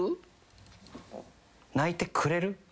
「泣いてくれる？」